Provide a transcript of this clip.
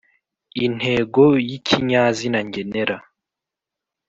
intego yi kinyazina ngenera